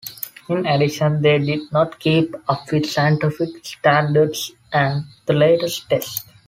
In addition, they did not keep up with scientific standards and the latest tests.